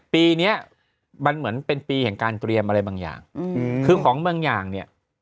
ปีเนี้ยมันเหมือนเป็นปีแห่งการเตรียมอะไรบางอย่างคือของบางอย่างเนี่ย